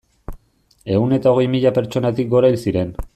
Ehun eta hogei mila pertsonatik gora hil ziren.